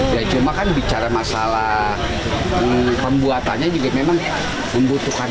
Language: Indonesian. ya cuma kan bicara masalah pembuatannya juga memang membutuhkan